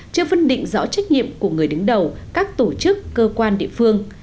chưa phân định rõ trách nhiệm của người đứng đầu các tổ chức cơ quan địa phương